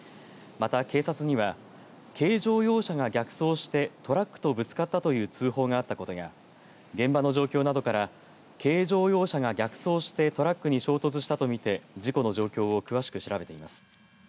また、警察には軽乗用車が衝突してトラックとぶつかったという通報があったことや現場の状況などから軽乗用車が逆走してトラックに衝突したと見て現場の状況を詳しく調べています。